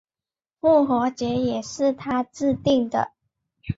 复活节也是他制定的。